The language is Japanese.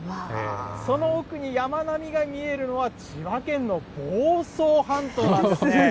その奥に山並みが見えるのは千葉県の房総半島なんですね。